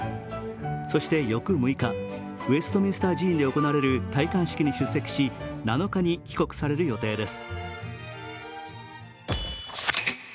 そして翌６日、ウェストミンスター寺院で行われる戴冠式に出席し７日に帰国される予定です。